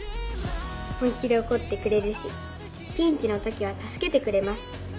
本気で怒ってくれるしピンチの時は助けてくれます。